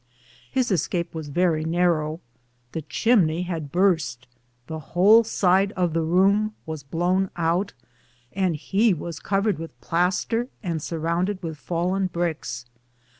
His escape was very narrow ; the chimney had burst, the whole side of the room was blown out, and he was covered with plaster and surrounded with fallen bricks.